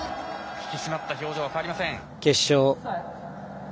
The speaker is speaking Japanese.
引き締まった表情は変わりません。